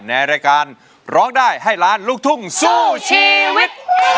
ในรายการร้องได้ให้ล้านลูกทุ่งสู้ชีวิต